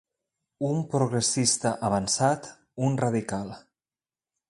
Un progressista avançat, un radical.